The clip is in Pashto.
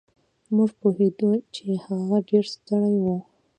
مونږ پوهېدو چې هغه ډېر ستړی و.